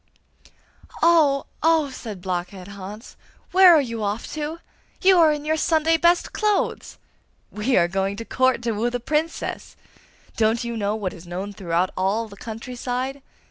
'Oh, oh!' said Blockhead Hans. 'Where are you off to? You are in your Sunday best clothes!' 'We are going to Court, to woo the Princess! Don't you know what is known throughout all the country side?